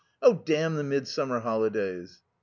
"Oh, damn the midsummer holidays!"